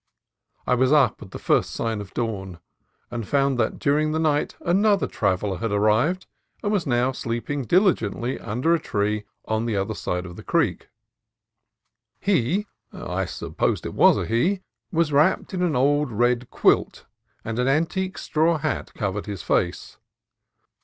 I was up at the first sign of dawn, and found that during the night another traveller had arrived, and was now sleeping diligently under a tree on the other side of the creek. He — I supposed it was a he — was wrapped in an old red quilt, and an antique straw hat covered his face.